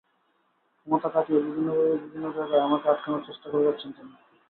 ক্ষমতা খাটিয়ে বিভিন্নভাবে বিভিন্ন জায়গায় আমাকে আটকানোর চেষ্টা করে যাচ্ছেন তিনি।